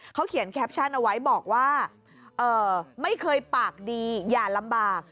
เขาเขียนแคปชั่นเอาไว้บอกว่าไม่เคยปากดีอย่าลำบาก